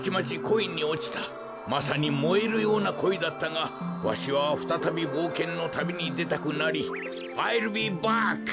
まさにもえるようなこいだったがわしはふたたびぼうけんのたびにでたくなり「アイルビーバック！」